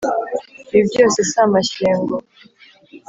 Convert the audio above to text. Ibi byose si amashyengo